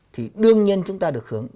thì đương nhiên chúng ta được hưởng